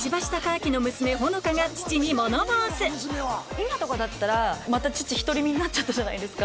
今とかだったらまた父独り身になっちゃったじゃないですか。